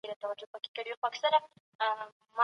د ځوانانو انرژي او د مشرانو فکر یوځای کړئ.